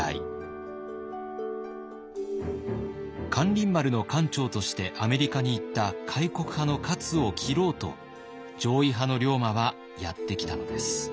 咸臨丸の艦長としてアメリカに行った開国派の勝を斬ろうと攘夷派の龍馬はやって来たのです。